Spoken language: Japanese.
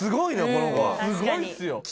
この子は・確かにすごいっすよ